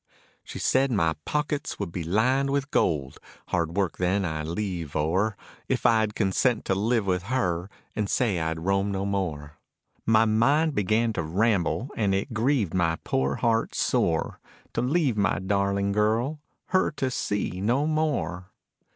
She said my pockets would be lined with gold, hard work then I'd leave o'er If I'd consent to live with her and say I'd roam no more. My mind began to ramble and it grieved my poor heart sore, To leave my darling girl, her to see no more.